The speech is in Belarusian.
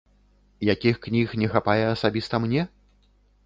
Якіх кніг не хапае асабіста мне?